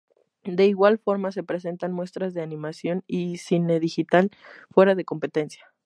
De igual forma se presentan muestras de animación y cine digital fuera de competencia.